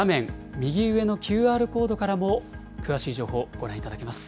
右上のＱＲコードからも詳しい情報、ご覧いただけます。